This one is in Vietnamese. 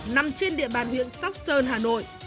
nằm trên địa bàn huyện sóc sơn hà nội